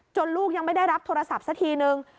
ลูกยังไม่ได้รับโทรศัพท์สักทีนึง